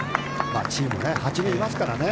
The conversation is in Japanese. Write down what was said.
チーム、８人いますからね